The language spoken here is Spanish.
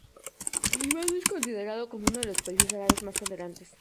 Líbano es considerado como uno de los países árabes más tolerantes.